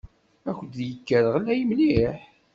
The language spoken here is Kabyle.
Ad k-d-yekker ɣlay mliḥ.